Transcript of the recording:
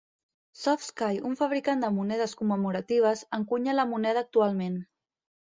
SoftSky, un fabricant de monedes commemoratives, encunya la moneda actualment.